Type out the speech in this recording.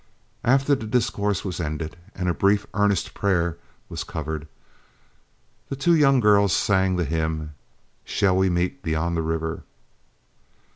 After the discourse was ended and a brief and earnest prayer was covered, the two young girls sang the hymn, "Shall we meet beyond the river?"